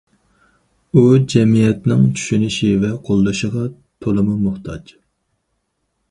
ئۇ جەمئىيەتنىڭ چۈشىنىشى ۋە قوللىشىغا تولىمۇ موھتاج.